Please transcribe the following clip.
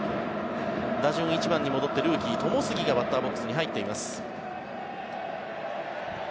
打順１番に戻ってルーキーの友杉がバッターボックスに入っています。